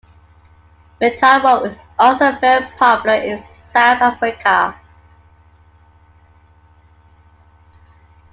Metavo is also very popular in South Africa.